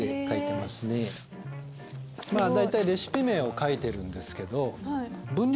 まぁ大体レシピ名を書いてるんですけど。